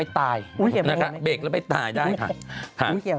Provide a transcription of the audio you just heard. ตายนะคะเบรกแล้วไปตายได้ค่ะ